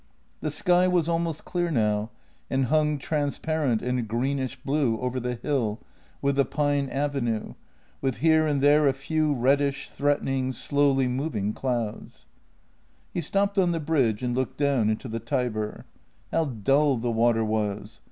The sky was almost clear now, and hung transparent and greenish blue over the hill with the pine avenue, with here and there a few reddish, threatening, slowly moving clouds. He stopped on the bridge and looked down into the Tiber. How dull the water was!